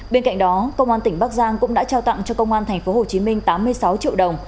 bên cạnh đó công an tỉnh bắc giang cũng đã trao tặng cho công an tp hcm tám mươi sáu triệu đồng